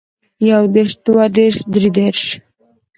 يو دېرش دوه دېرش درې دېرش